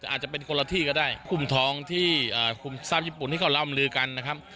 อาจจะเป็นคนละที่ก็ได้คุมทองที่คุมทรัพย์ญี่ปุ่นที่เขาร่ำลือกันนะครับ